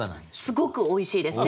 すごくおいしいです。